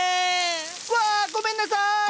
わっごめんなさい！